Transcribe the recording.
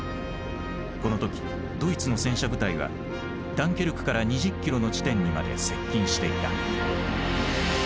この時ドイツの戦車部隊はダンケルクから２０キロの地点にまで接近していた。